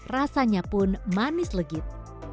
rasanya pun manis legit